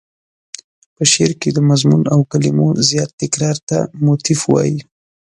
په شعر کې د مضمون او کلمو زیات تکرار ته موتیف وايي.